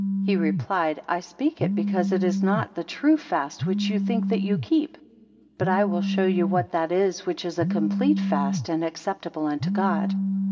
He replied, I speak it, because it is not the true fast which you think that you keep; but I will show you what that is which is a complete fast, and acceptable unto God.